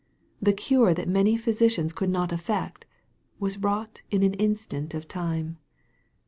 The cure that many physicians could not effect, was wrought in an in stant of time.